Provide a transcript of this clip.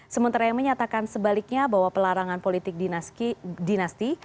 sementara yang menyatakan sebaliknya bahwa pelarangan politik dinasti